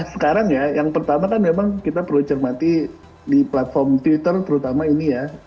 sekarang ya yang pertama kan memang kita perlu cermati di platform twitter terutama ini ya